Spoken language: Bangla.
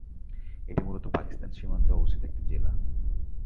এটি মুলত পাকিস্তান সীমান্তে অবস্থিত একটি জেলা।